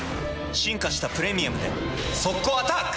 進化した「プレミアム」で速攻アタック！